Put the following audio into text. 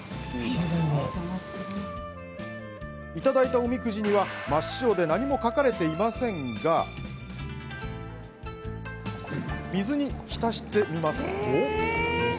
いただいた、おみくじは真っ白で何も書かれていませんが水に浸してみますと。